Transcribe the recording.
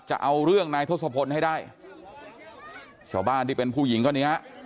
จะเอาเรื่องนายทศพลให้ได้ชาวบ้านที่เป็นผู้หญิงก็เนี่ย